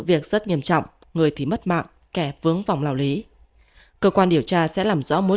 việc rất nghiêm trọng người thì mất mạng kẻ vướng vòng lao lý cơ quan điều tra sẽ làm rõ mối